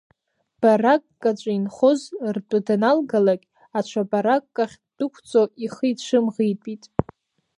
Баракк аҿы инхоз ртәы даналгалакь, аҽа баракк ахь ддәықәҵо, ихы ицәымӷитәит.